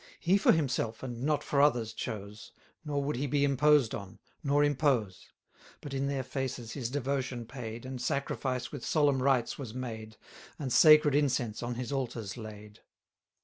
He for himself, and not for others, chose, Nor would he be imposed on, nor impose; But in their faces his devotion paid, And sacrifice with solemn rites was made, 990 And sacred incense on his altars laid.